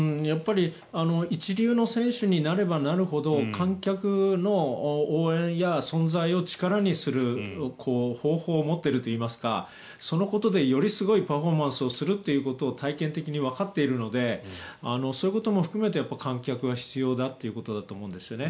一流の選手になればなるほど観客の応援や存在を力にする方法を持っているといいますかそのことでよりすごいパフォーマンスをするということを体験的にわかっているのでそういうことも含めて観客は必要ということだと思うんです。